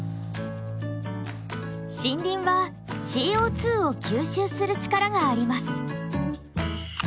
森林はＣＯを吸収する力があります。